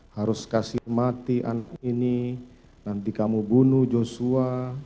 harus kasih mati ini nanti kamu bunuh joshua